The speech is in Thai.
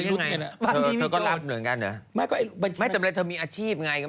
เธอก็โรฯเหมือนกันเหรอไม่สำคัญว่าเธอมีอาชีพอย่างไร